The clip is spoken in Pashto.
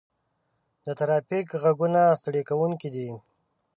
د ترافیک غږونه ستړي کوونکي دي.